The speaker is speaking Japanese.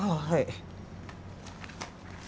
はい。